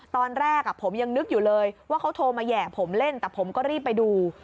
ตอนแรกผมยังนึกอยู่เลยว่าเขาโทรมาแห่ผมเล่นแต่ผมก็รีบไปดู